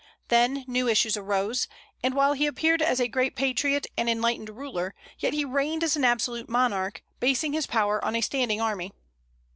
Then new issues arose; and while he appeared as a great patriot and enlightened ruler, he yet reigned as an absolute monarch, basing his power on a standing army.